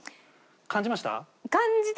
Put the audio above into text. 感じました？